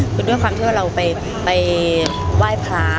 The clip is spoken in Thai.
คือด้วยความที่ว่าเราไปไหว้พระ